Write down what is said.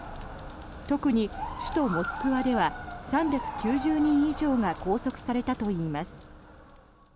特に首都モスクワでは３９０人以上が拘束されたといいます。